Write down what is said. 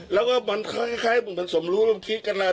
แล้วมันมันคล้ายสมรู้ละ